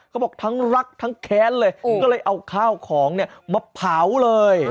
เขาบอกทั้งรักทั้งแค้นเลยก็เลยเอาข้าวของเนี่ยมาเผาเลย